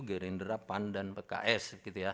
gerindra pan dan pks